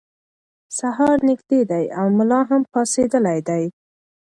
سهار نږدې دی او ملا هم پاڅېدلی دی.